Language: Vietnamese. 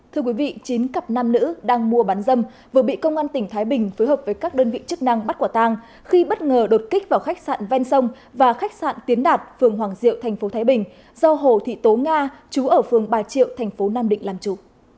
thưa quý vị chín cặp nam nữ đang mua bán dâm vừa bị công an tỉnh thái bình phối hợp với các đơn vị chức năng bắt quả tang khi bất ngờ đột kích vào khách sạn ven sông và khách sạn tiến đạt phường hoàng diệu tp thái bình do hồ thị tố nga chú ở phường bà triệu thành phố nam định làm chủ